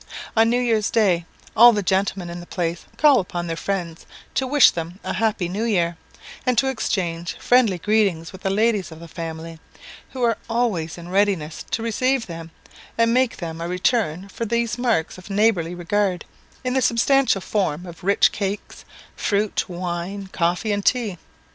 On New Year's day all the gentlemen in the place call upon their friends, to wish them a happy new year, and to exchange friendly greetings with the ladies of the family, who are always in readiness to receive them, and make them a return for these marks of neighbourly regard, in the substantial form of rich cakes, fruit, wine, coffee, and tea.